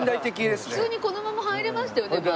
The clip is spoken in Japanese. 普通にこのまま入れましたよね前。